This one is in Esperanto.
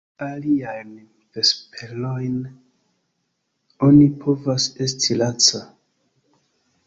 Aliajn vesperojn oni povas esti laca.